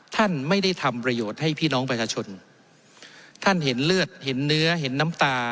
ท่านไม่ได้ทำประโยชน์ให้พี่น้องประชาชนท่านเห็นเลือดเห็นเนื้อเห็นน้ำตา